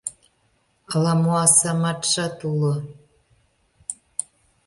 Ала-мо асаматшат уло.